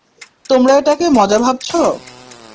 তোমরা এটাকে মজা ভাবছো?